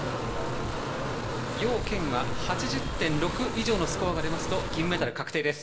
ヨウ・ケンは８０．６以上のスコアが出ますと銀メダル確定です。